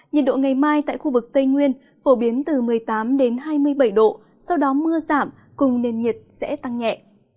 nhiệt độ ngày mai tại khu vực tây nguyên phổ biến từ một mươi tám hai mươi bảy độ sau đó mưa giảm cùng nền nhiệt sẽ tăng nhẹ